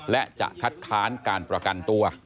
และจะคัดค้านการประกันตัว